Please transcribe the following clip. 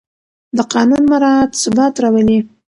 د قانون مراعت ثبات راولي